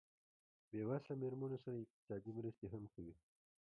بې وسه مېرمنو سره اقتصادي مرستې هم کوي.